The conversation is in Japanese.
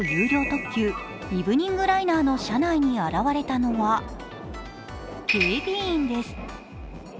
特急イブニングライナーの車内に現れたのは警備員です。